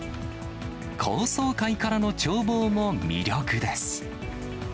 高層階からの眺望も魅力です。